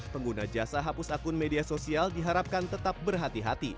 pengguna jasa hapus akun media sosial diharapkan tetap berhati hati